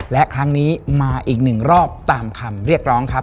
และครั้งนี้มาอีกหนึ่งรอบตามคำเรียกร้องครับ